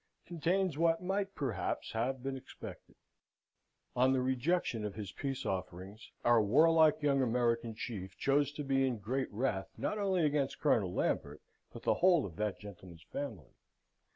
Contains what might, perhaps, have been expected On the rejection of his peace offerings, our warlike young American chief chose to be in great wrath not only against Colonel Lambert, but the whole of that gentleman's family.